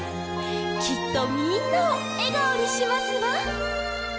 きっとみんなをえがおにしますわ。